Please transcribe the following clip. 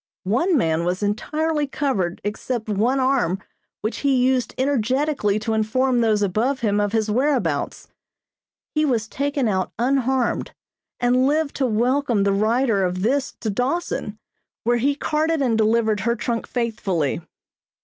One man was entirely covered except one arm which he used energetically to inform those above him of his whereabouts. He was taken out unharmed, and lived to welcome the writer of this to Dawson, where he carted and delivered her trunk faithfully.